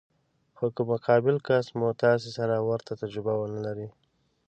خو که مقابل کس مو تاسې سره ورته تجربه ونه لري.